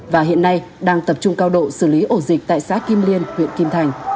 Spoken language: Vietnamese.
và hiện nay đang tập trung cao độ xử lý ổ dịch tại xã kim liên huyện kim thành